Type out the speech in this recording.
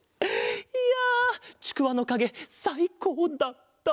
いやちくわのかげさいこうだった。